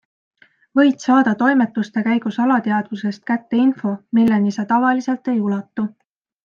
Võid saada toimetuste käigus alateadvusest kätte info, milleni sa tavaliselt ei ulatu.